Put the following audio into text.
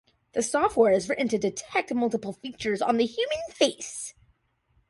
The software is written to detect multiple features on the human face.